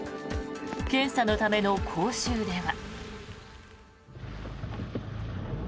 検査のための講習では。